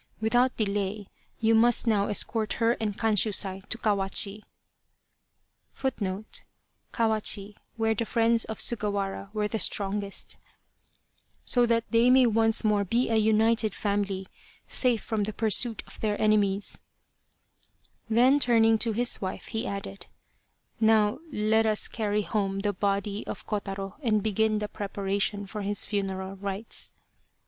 Without delay you must now escort her and Kanshusai to Kawachi,f so that they may once more be a united family, safe from the pursuit of their enemies." Then, turning to his wife, he added, " Now let us carry home the body of Kotaro and begin the prepara tions for his funeral rites."